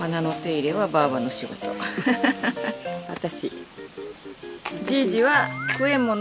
私。